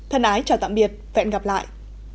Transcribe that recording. thân ái chào tạm biệt vẹn gặp lại